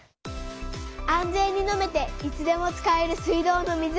安全に飲めていつでも使える水道の水。